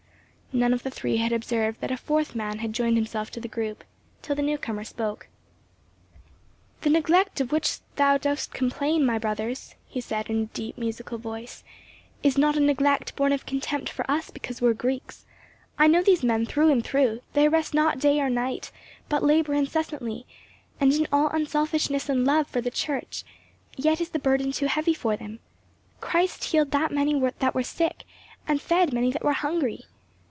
None of the three had observed that a fourth man had joined himself to the group, till the newcomer spoke. "The neglect of which thou dost complain, my brothers," he said in a deep musical voice, "is not a neglect born of contempt for us because we are Greeks. I know these men through and through; they rest not day nor night, but labor incessantly, and in all unselfishness and love for the church, yet is the burden too heavy for them. Christ healed many that were sick and fed many that were hungry.